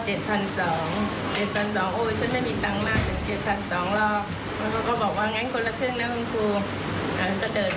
เก็บพันธุ์สองโอ๊ยฉันไม่มีตังค์มากแต่เก็บพันธุ์สองรอบ